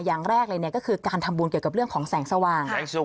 อย่างแรกเลยเนี่ยก็คือการทำบุญเกี่ยวกับเรื่องของแสงสว่าง